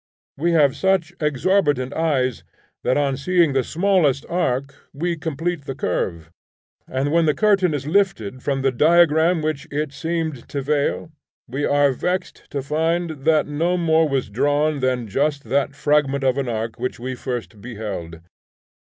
We have such exorbitant eyes that on seeing the smallest arc we complete the curve, and when the curtain is lifted from the diagram which it seemed to veil, we are vexed to find that no more was drawn than just that fragment of an arc which we first beheld.